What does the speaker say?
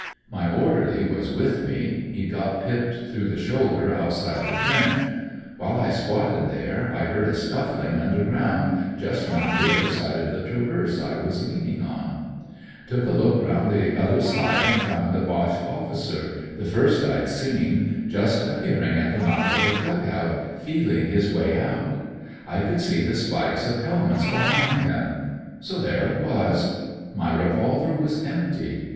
"My orderly was with me. He'd got pipped through the shoulder outside the trench. While I squatted there I heard a scuffling underground just round the other side of the traverse I was leaning on. Took 172 A COOL CANADIAN ,1 a look round the other side and found a Boche officer— the first I*d seen— just appearing at the mouth of a dug out, feel ing his way out. I could see the spikes of helmets behind him. So there it was. My revolver was empty.